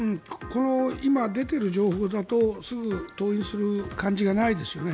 今、出ている情報だとすぐ登院する感じがないですよね。